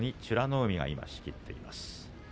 海が仕切っています。